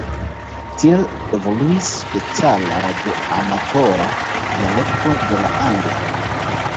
Tiel evoluis speciala radioamatora dialekto de la angla.